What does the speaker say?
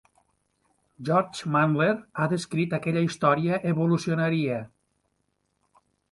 George Mandler ha descrit aquella història evolucionaria.